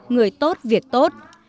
người tốt việc tốt